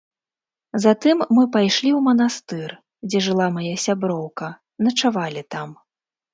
Затым мы пайшлі ў манастыр, дзе жыла мая сяброўка, начавалі там.